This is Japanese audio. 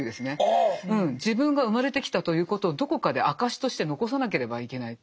自分が生まれてきたということをどこかで証しとして残さなければいけない。